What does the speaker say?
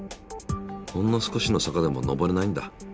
ほんの少しの坂でも登れないんだ。